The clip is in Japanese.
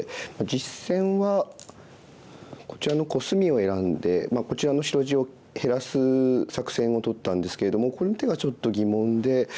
実戦はこちらのコスミを選んでこちらの白地を減らす作戦をとったんですけれどもこの手がちょっと疑問で。